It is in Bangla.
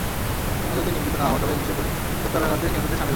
তুমি যদি নিবৃত্ত না হও তবে নিশ্চয় তুমি প্রস্তরাঘাতে নিহতদের শামিল হবে।